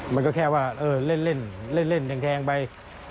มันก็แค่ว่าเล่นเหรียงแทงไป